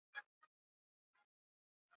Watenge au kuwaweka katika karantini